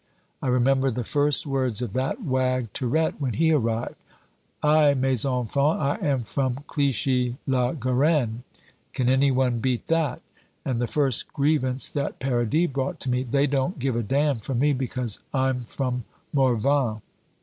I remember the first words of that wag, Tirette, when he arrived "I, mes enfants, I am from Clichy la Garenne! Can any one beat that?" and the first grievance that Paradis brought to me, "They don't give a damn for me, because I'm from Morvan!"